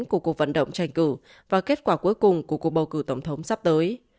của cuộc vận động tranh cử và kết quả cuối cùng của cuộc bầu cử tổng thống sắp tới